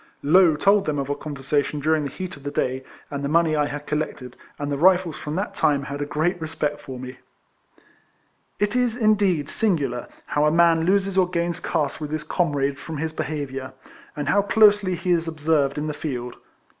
Low told them of our conversation during the heat of the day, and the money I had collected, and the Rifles from that time had a great respect for me. 60 RECOLLECTIONS OF It is, indeed, singular, how a man loses or gains caste with his comrades from his be haviour, and how closely he is observed in the field.